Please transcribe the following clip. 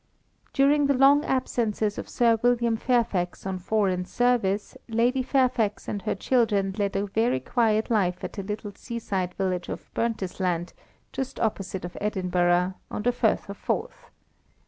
During the long absences of Sir William Fairfax on foreign service, Lady Fairfax and her children led a very quiet life at the little seaside village of Burntisland, just opposite to Edinburgh, on the Firth of Forth.